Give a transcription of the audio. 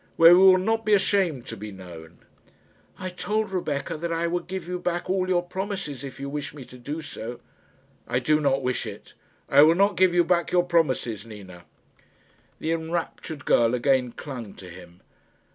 "Where we will not be ashamed to be known." "I told Rebecca that I would give you back all your promises, if you wished me to do so." "I do not wish it. I will not give you back your promises, Nina." The enraptured girl again clung to him.